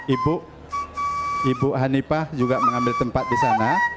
ibu ibu hanifah juga mengambil tempat di sana